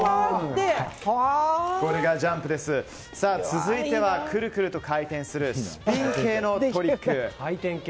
続いてはくるくると回転するスピン系のトリック。